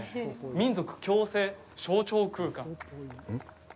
民族共生象徴空間。